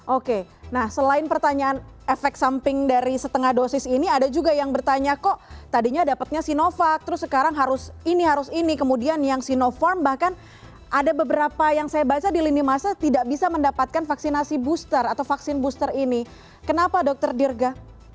oke nah selain pertanyaan efek samping dari setengah dosis ini ada juga yang bertanya kok tadinya dapatnya sinovac terus sekarang harus ini harus ini kemudian yang sinopharm bahkan ada beberapa yang saya baca di lini masa tidak bisa mendapatkan vaksinasi booster atau vaksin booster ini kenapa dokter dirga